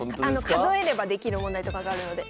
数えればできる問題とかがあるので。